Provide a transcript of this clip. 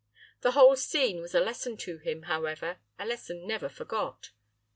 The whole scene was a lesson to him, however; a lesson never forgot.